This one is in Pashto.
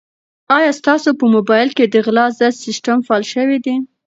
آیا ستاسو په موبایل کې د غلا ضد سیسټم فعال شوی دی؟